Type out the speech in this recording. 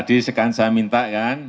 oh tadi sekalian saya minta kan